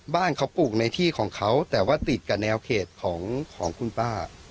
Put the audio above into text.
บ้านเขาปลูกในที่ของเขาแต่ว่าติดกับแนวเขตของคุณป้า